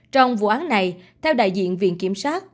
trong vụ án này theo đại diện viện kiểm sát